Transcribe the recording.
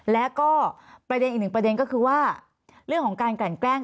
แล้วก็ประเด็นอีกหนึ่งประเด็นก็คือว่าเรื่องของการกลั่นแกล้ง